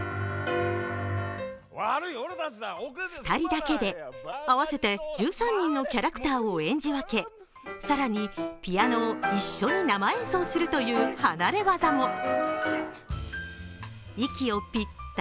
２人だけで、合わせて１３人のキャラクターを演じ分け、更にピアノを一緒に生演奏するという離れ業も。